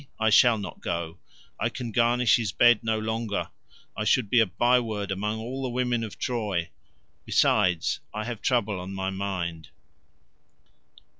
I shall not go; I can garnish his bed no longer; I should be a by word among all the women of Troy. Besides, I have trouble on my mind."